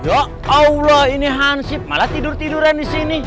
ya allah ini hansip malah tidur tiduran disini